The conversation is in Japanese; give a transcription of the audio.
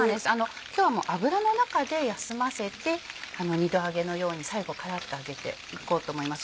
今日は油の中で休ませて二度揚げのように最後カラっと揚げていこうと思います。